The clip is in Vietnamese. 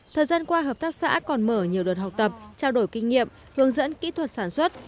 thời gian qua hợp tác xã còn mở nhiều đợt học tập trao đổi kinh nghiệm hướng dẫn kỹ thuật sản xuất